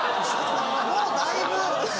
もうだいぶ。